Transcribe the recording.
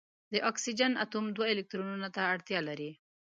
د اکسیجن اتوم دوه الکترونونو ته اړتیا لري.